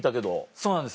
そうなんですよ。